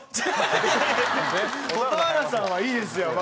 蛍原さんはいいですよまだ。